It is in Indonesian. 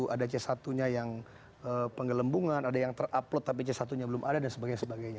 ada c satu nya yang penggelembungan ada yang terupload tapi c satu nya belum ada dan sebagainya